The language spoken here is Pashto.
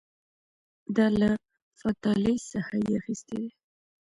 دا له فاتالیس څخه یې اخیستي دي